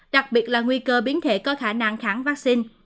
đặc biệt là nguy cơ biến thể có khả năng kháng vaccine